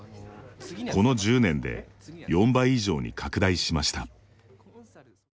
この１０年で４倍以上に拡大しました。